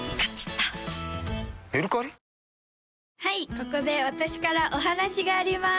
ここで私からお話があります